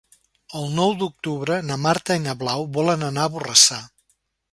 El nou d'octubre na Marta i na Blau volen anar a Borrassà.